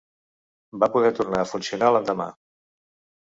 Va poder tornar a funcionar l'endemà.